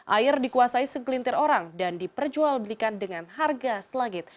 air dikuasai segelintir orang dan diperjual belikan dengan harga selangit